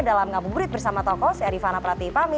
dalam ngamu burit bersama toko saya rifana pratiipami